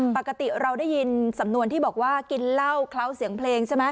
ปกติเราได้ยินสำนวนที่บอกว่ากินเหล้าเคล้าเสียงเพลงใช่ไหม